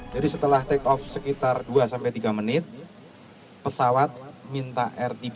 jadi setelah take off sekitar dua sampai tiga menit pesawat minta rtb